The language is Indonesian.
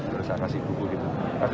terus saya ngasih buku gitu